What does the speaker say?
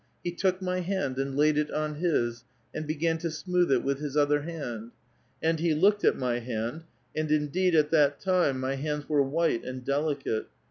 He took my hand and laid it on his, and began to smooth it with his other hand ; and he looked at my hand, and indeed at that time my hands were white and delicate.